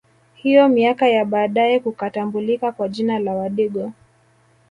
Hivyo miaka ya baadae kukatambulika kwa jina la Wadigo